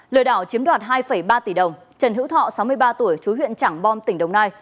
lừa đảo chiếm đoạt hai ba tỷ đồng trần hữu thọ sáu mươi ba tuổi chú huyện trảng bom tỉnh đồng nai